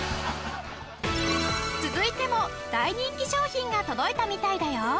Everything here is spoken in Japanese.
続いても大人気商品が届いたみたいだよ！